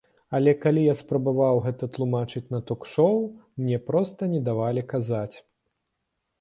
Але калі я спрабаваў гэта тлумачыць на ток-шоў, мне проста не давалі казаць.